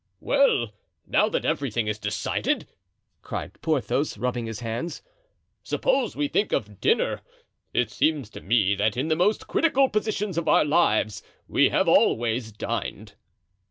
"Well, now that everything is decided," cried Porthos, rubbing his hands, "suppose we think of dinner! It seems to me that in the most critical positions of our lives we have always dined."